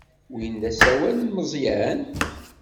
Win d asawal n Meẓyan?